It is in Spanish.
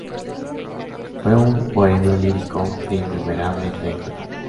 Fue un "bohemio lírico" de innumerable trayectoria.